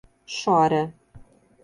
Chora